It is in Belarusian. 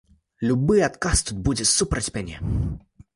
Любы адказ тут будзе супраць мяне.